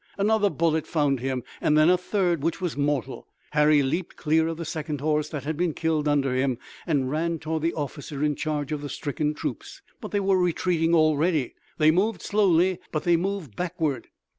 Another bullet found him, and then a third, which was mortal. Harry leaped clear of the second horse that had been killed under him, and ran toward the officer in charge of the stricken troops. But they were retreating already. They moved slowly, but they moved backward.